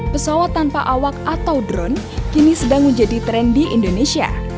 pesawat tanpa awak atau drone kini sedang menjadi tren di indonesia